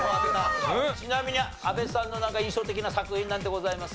ちなみに阿部さんのなんか印象的な作品なんてございます？